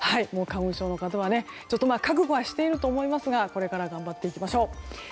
花粉症の方は覚悟はしていると思いますがこれから頑張っていきましょう。